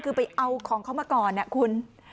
คือไปเอาของเขามาก่อนนะคุณ